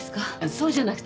そうじゃなくて。